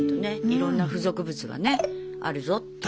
いろんな付属物がねあるぞって。